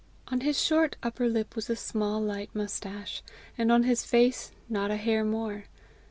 On his short upper lip was a small light moustache, and on his face not a hair more.